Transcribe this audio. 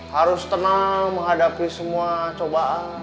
harus tenang menghadapi semua cobaan